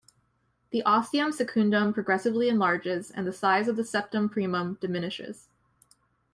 The ostium secundum progressively enlarges and the size of the septum primum diminishes.